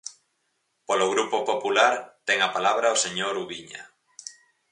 Polo Grupo Popular, ten a palabra o señor Ubiña.